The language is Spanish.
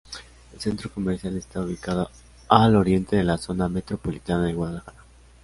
El centro comercial está ubicado al oriente de la Zona Metropolitana de Guadalajara.